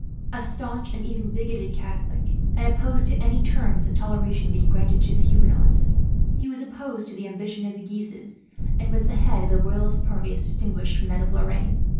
A staunch and even bigoted Catholic, and opposed to any terms of toleration being granted to the Huguenots, he was opposed to the ambition of the Guises; and was the head of the Royalist party, as distinguished from that of Lorraine.